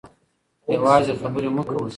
یوازې خبرې مه کوئ.